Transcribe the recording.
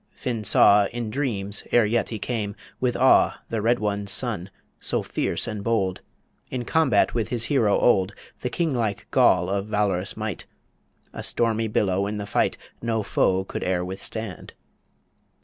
Finn saw In dreams, ere yet he came, with awe The Red One's son, so fierce and bold, In combat with his hero old The king like Goll of valorous might A stormy billow in the fight No foe could ere withstand.